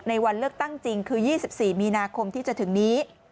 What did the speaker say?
วันเลือกตั้งจริงคือ๒๔มีนาคมที่จะถึงนี้